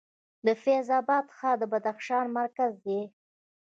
د فیض اباد ښار د بدخشان مرکز دی